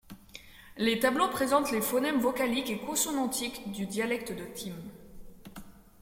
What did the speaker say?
Les tableaux présentent les phonèmes vocaliques et consonantiques du dialecte de Tym.